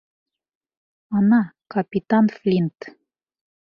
Ана, Капитан Флинт.